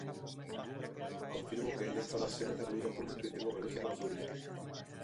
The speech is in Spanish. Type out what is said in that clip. Confirmo que esta oración es dominio público y tengo permiso para subirla.